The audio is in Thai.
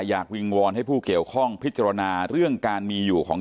วิงวอนให้ผู้เกี่ยวข้องพิจารณาเรื่องการมีอยู่ของ